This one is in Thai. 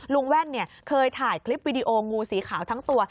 แว่นเคยถ่ายคลิปวิดีโองูสีขาวทั้งตัว